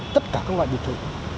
tất cả các loại biệt thự